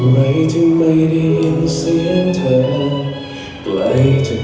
เพราะรู้ว่าเธอไม่มีผู้ใดจะกลับไปหา